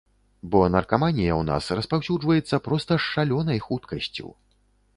Бо наркаманія ў нас распаўсюджваецца проста з шалёнай хуткасцю.